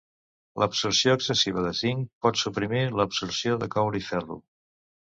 L'absorció excessiva de zinc pot suprimir l'absorció de coure i ferro.